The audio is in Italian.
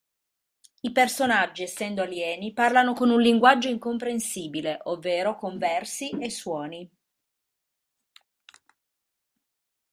I personaggi, essendo alieni, parlano con un linguaggio incomprensibile, ovvero con versi e suoni.